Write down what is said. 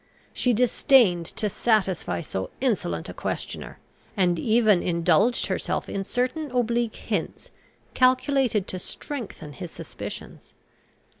She disdained to satisfy so insolent a questioner, and even indulged herself in certain oblique hints calculated to strengthen his suspicions.